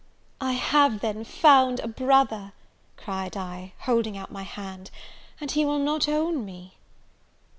"I have, then, found a brother," cried I, holding out my hand, "and he will not own me!"